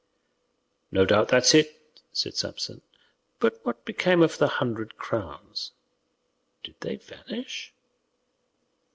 "No doubt that's it," said Samson; "but what became of the hundred crowns? Did they vanish?"